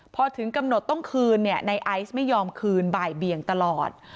พอถึงกำหนดต้องคืนในไอซ์ไม่ยอมคืนบ่ายเบียงตลอด